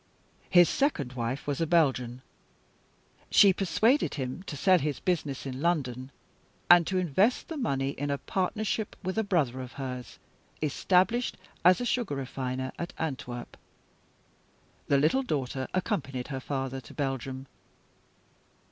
His second wife was a Belgian. She persuaded him to sell his business in London, and to invest the money in a partnership with a brother of hers, established as a sugar refiner at Antwerp. The little daughter accompanied her father to Belgium.